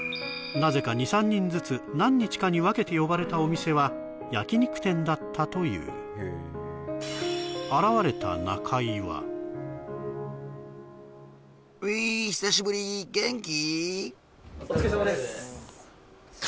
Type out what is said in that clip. なぜか２３人ずつ何日かに分けて呼ばれたお店は焼肉店だったといううい久しぶり元気？